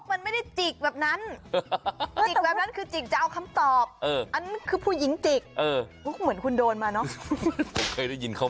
ไม่ยอมให้นกจิงได้ขนาดนี้นะแปลกอ่ะอืมเป็นทิ้นรึเปล่าส่วนบ่อย